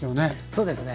そうですね。